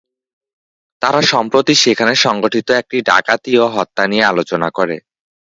তারা সম্প্রতি সেখানে সংঘটিত একটি ডাকাতি ও হত্যা নিয়ে আলোচনা করে।